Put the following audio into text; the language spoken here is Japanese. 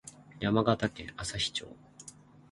山形県朝日町